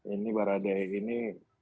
ini baradai ini